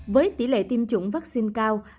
với tỷ lệ tiêm chủng vaccine cao